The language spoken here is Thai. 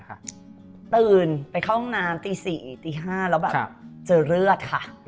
ตื่นไปเข้าห้องน้ำตี๔ตี๕แล้วแบบเจอเลือดค่ะ